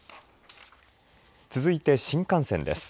続いて新幹線です。